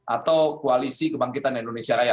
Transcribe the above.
atau koalisi kebangkitan indonesia raya